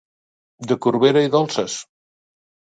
De Corbera i dolces!